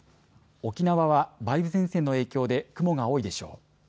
沖縄は梅雨前線の影響で雲が多いでしょう。